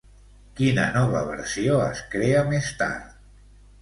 Quina nova versió es crea més tard?